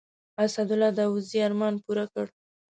اسدالله داودزي ارمان پوره کړ.